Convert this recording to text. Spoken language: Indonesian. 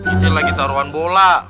ini lagi taruhan bola